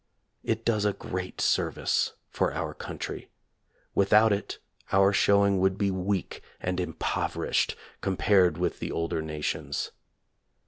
It does a great service for our country. Without it our showing would be weak and impoverished compared with the Older Na tions.